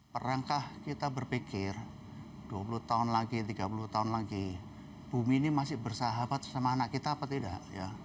perangkah kita berpikir dua puluh tahun lagi tiga puluh tahun lagi bumi ini masih bersahabat sama anak kita apa tidak